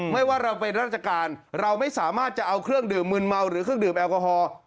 ว่าเราเป็นราชการเราไม่สามารถจะเอาเครื่องดื่มมืนเมาหรือเครื่องดื่มแอลกอฮอล์